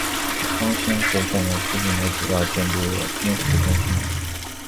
方兴湖公园附近的主要建筑有滨湖中心等。